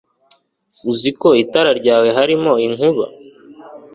uzi ko mu itara ryawe harimo inkuba